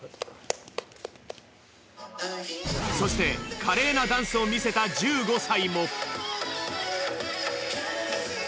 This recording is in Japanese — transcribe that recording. そして華麗なダンスを見せた１５歳も。